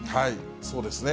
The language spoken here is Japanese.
そうですね。